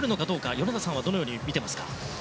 米田さんは、どのように見ていますか？